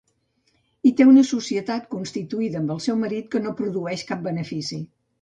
I té una societat constituïda amb el seu marit que no produeix cap benefici.